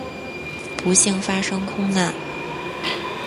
不幸发生空难。